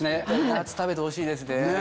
夏食べてほしいですね。